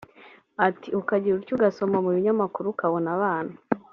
Ati “Ukagira utya ugasoma mu binyamakuru ukabona abana